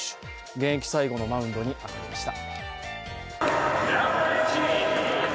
現役最後のマウンドに上がりました。